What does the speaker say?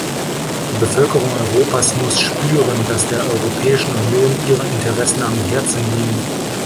Die Bevölkerung Europas muss spüren, dass der Europäischen Union ihre Interessen am Herzen liegen.